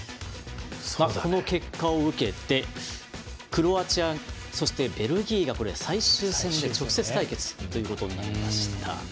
この結果を受けて、クロアチアそしてベルギーが最終戦で直接対決ということになりました。